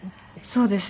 そうですね。